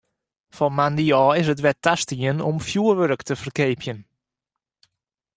Fan moandei ôf is it wer tastien om fjurwurk te ferkeapjen.